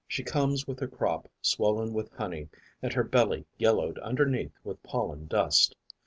She comes with her crop swollen with honey and her belly yellowed underneath with pollen dust.